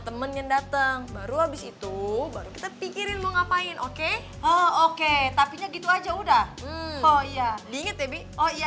temennya datang baru habis itu baru kita pikirin mau ngapain oke oke tapi aja udah oh iya oh iya